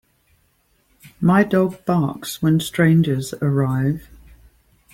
My dog barks when strangers arrive.